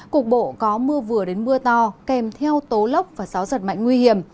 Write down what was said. cục bộ có mưa vừa đến mưa to kèm theo tố lốc và gió giật mạnh